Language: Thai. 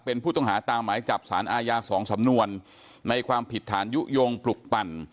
เป็นผู้ต้องหาตามหมายจับสารอาญา๒สำนวนในความผิดฐานยุโยงปลุกปั่น